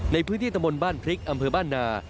ในพื้นที่ตะบนบ้านพริกอำเภอบ้านนา